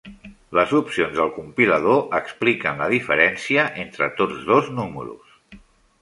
Les opcions del compilador expliquen la diferència entre tots dos números.